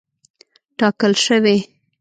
ټاکل شوې.